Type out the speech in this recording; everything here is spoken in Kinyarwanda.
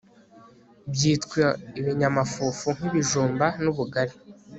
byitwa ibinyamafufu nk'ibijumba n'ubugari